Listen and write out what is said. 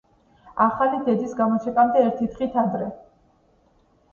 ახალი დედის გამოჩეკამდე ერთი დღით ადრე.